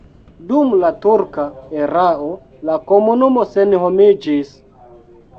Dum la turka erao la komunumo senhomiĝis.